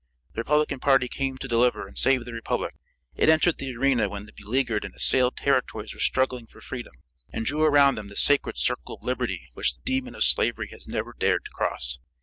The Republican party came to deliver and save the Republic. It entered the arena when the beleaguered and assailed territories were struggling for freedom, and drew around them the sacred circle of liberty which the demon of slavery has never dared to cross.